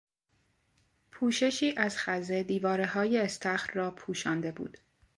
پوششی از خزه دیوارههای استخر را پوشانده بود.